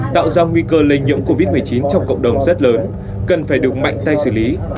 tạo ra nguy cơ lây nhiễm covid một mươi chín trong cộng đồng rất lớn cần phải được mạnh tay xử lý